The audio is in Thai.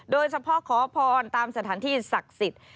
โดยเฉพาะขอพรตามสถานที่ศักดิ์สิทธิ์